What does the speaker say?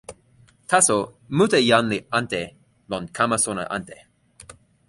taso, mute jan li ante lon kama sona ante.